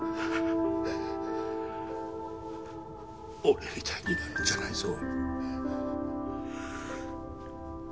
俺みたいになるんじゃないぞ。